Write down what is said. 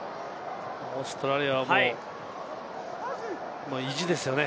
オーストラリアはもう意地ですよね。